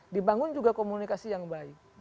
dibangun juga komunikasi yang baik